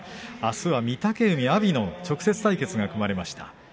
あすは、御嶽海、阿炎の直接対決が組まれました。